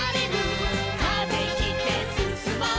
「風切ってすすもう」